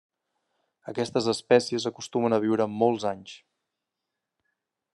Aquestes espècies acostumen a viure molts anys.